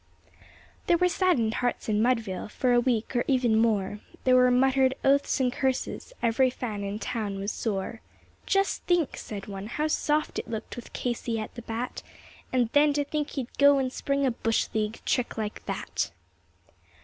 _ There were saddened hearts in Mudville for a week or even more; There were muttered oaths and curses every fan in town was sore. "Just think," said one, "how soft it looked with Casey at the bat! And then to think he'd go and spring a bush league trick like that."